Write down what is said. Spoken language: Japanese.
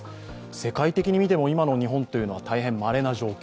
世界的に見ても今の日本というのは大変まれな状況。